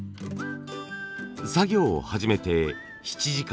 作業を始めて７時間。